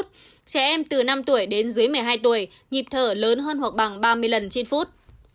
trẻ em từ năm tuổi đến dưới một mươi hai tuổi nhịp thở lớn hơn hoặc bằng ba mươi lần trên phút